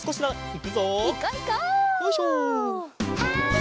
はい。